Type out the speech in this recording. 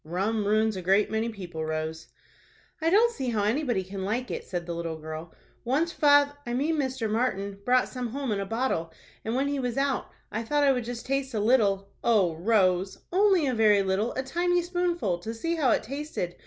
"Rum ruins a great many people, Rose." "I don't see how anybody can like it," said the little girl. "Once fath—I mean Mr. Martin, brought some home in a bottle, and when he was out, I thought I would just taste a little—" "O Rose!" "Only a very little, a tiny spoonful, to see how it tasted.